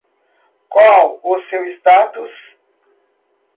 Qual o seu status?